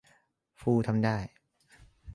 ฟูทำได้